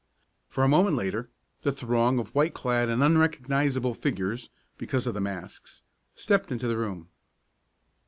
For a moment later, the throng of white clad and unrecognizable figures (because of the masks) stepped into the room.